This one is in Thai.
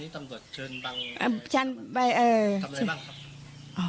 โถมตำรวจเชินบางที่แบบนี้ทำอะไรบ้างปะ